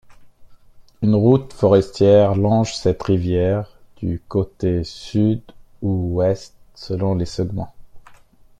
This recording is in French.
Une route forestière longe cette rivière du côté sud ou ouest, selon les segments.